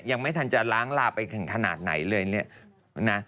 แต่ไม่ได้หย่าสงครรทำไม่ได้หย่า